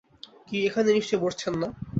কি, এখানে নিশ্চয় বসছেন না।